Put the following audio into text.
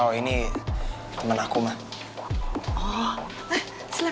terus terus gimana anak anak lo bilang